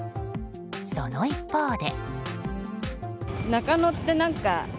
その一方で。